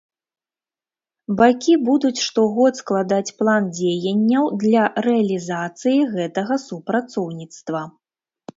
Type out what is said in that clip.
Бакі будуць штогод складаць план дзеянняў для рэалізацыі гэтага супрацоўніцтва.